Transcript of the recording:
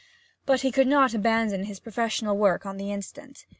But he could not abandon his professional work on the instant.